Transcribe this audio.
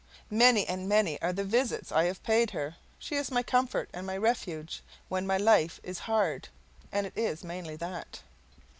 Many and many are the visits I have paid her; she is my comfort and my refuge when my life is hard and it is mainly that.